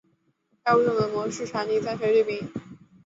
该物种的模式产地在菲律宾。